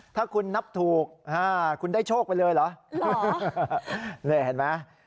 ถ้าคุณนับถูกคุณได้โชคไปเลยเหรอนี่เห็นไหม